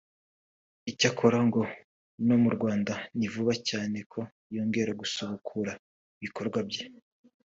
icyakora ngo no mu Rwanda ni vuba cyane ko yongeye gusubukura ibikorwa bye